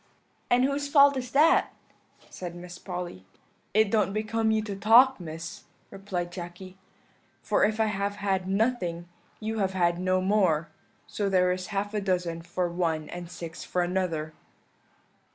"'And whose fault is that?' said Miss Polly. "'It don't become you to talk, Miss,' replied Jacky; 'for if I have had nothing, you have had no more so there is half a dozen for one and six for another.'